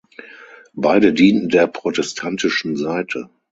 Beide dienten der protestantischen Seite.